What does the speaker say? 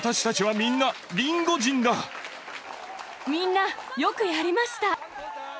みんな、よくやりました。